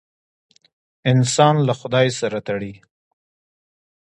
انسان له خدای سره تړي.